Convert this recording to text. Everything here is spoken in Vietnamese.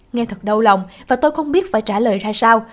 nghe thật đau lòng và tôi không biết phải trả lời ra sao